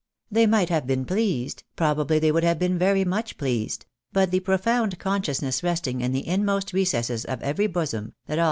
They might have been pleased, probably they would have been very much pleased — but the profound con sciousness resting in the inmost recesses of every bosom, that all M 2 196 THE EAENABYS IN AMERICA.